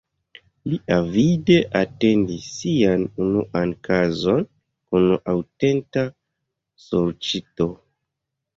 Li avide atendis sian unuan kazon kun aŭtenta sorĉito.